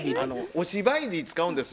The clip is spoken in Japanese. お芝居に使うんです。